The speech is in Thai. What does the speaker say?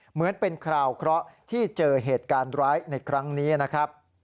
เหมือนเป็นคราวเคราะห์ที่เจอเหตุการณ์ร้ายในครั้งนี้นะครับ